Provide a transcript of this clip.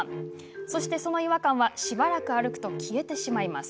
そして、その違和感はしばらく歩くと消えてしまいます。